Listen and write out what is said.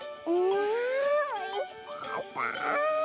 あおいしかった！